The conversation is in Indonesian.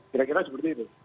kira kira seperti itu